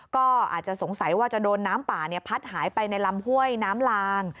ก็อาจจะสงสัยว่าจะโดนน้ำป่าพัดหายไปในลำห้วยน้ำลาง